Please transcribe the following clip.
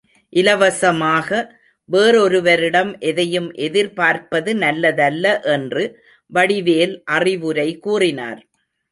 இலவசமாக வேறொருவரிடம் எதையும் எதிர்பார்ப்பது நல்லதல்ல என்று வடிவேல் அறிவுரை கூறினார்.